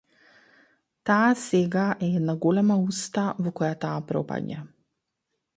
Таа сега е една голема уста во која таа пропаѓа.